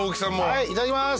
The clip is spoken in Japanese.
はいいただきます。